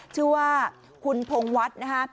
ชื่อว่าคุณพงวัฒน์นะคะ